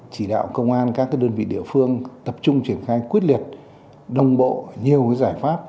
chỉ đạo công an các đơn vị địa phương tập trung triển khai quyết liệt đồng bộ nhiều giải pháp